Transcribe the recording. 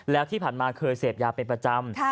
แล้วที่ผ่านมาเคยเสพยาเป็นประจำ